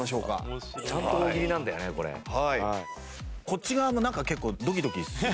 こっち側もなんか結構ドキドキするね。